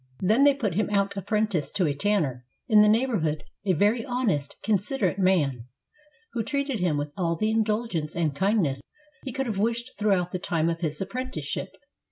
Then they put him out apprentice to a tanner in the neighbourhood, a very honest, considerate man, who treated him with all the indulgence and kindness he could have wished throughout the time of his apprenticeship.